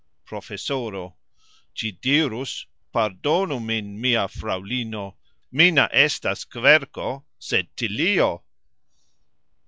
Profesoro: "Gxi dirus: pardonu min, mia frauxlino, mi ne estas kverko, sed tilio."